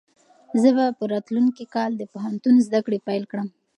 زه به راتلونکی کال د پوهنتون زده کړې پیل کړم.